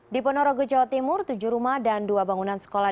di ponorogo jawa timur tujuh rumah dan dua bangunan sekolah